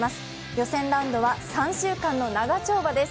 予選ラウンドは３週間の長丁場です